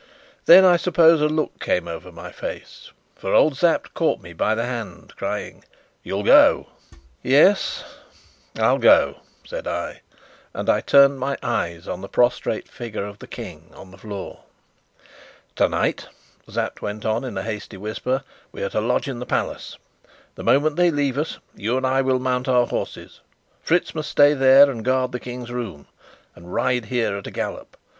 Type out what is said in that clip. Then I suppose a look came over my face, for old Sapt caught me by the hand, crying: "You'll go?" "Yes, I'll go," said I, and I turned my eyes on the prostrate figure of the King on the floor. "Tonight," Sapt went on in a hasty whisper, "we are to lodge in the Palace. The moment they leave us you and I will mount our horses Fritz must stay there and guard the King's room and ride here at a gallop.